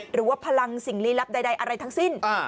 หรือว่าพลังสิ่งลี้ลับใดอะไรทั้งสิ้น